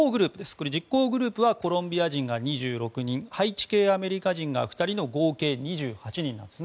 これ、実行グループはコロンビア人が２６人ハイチ系アメリカ人が２人の合計２８人です。